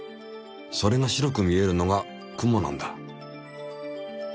それが白く見えるのが雲なんだ。